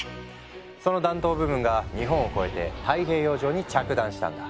その弾頭部分が日本を越えて太平洋上に着弾したんだ。